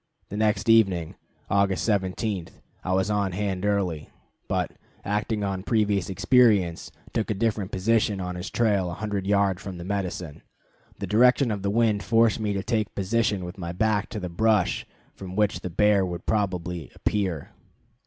The next evening, August 17, I was on hand early; but, acting on previous experience, took a different position on his trail a hundred yards from the medicine. The direction of the wind forced me to take position with my back to the brush from which the bear would probably appear.